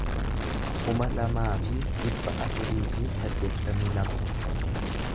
kuma lamaa fi dhibba afurii fi saddeettamii lama